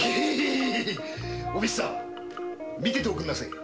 おみつさん見てておくんなさい。